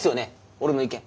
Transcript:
俺の意見。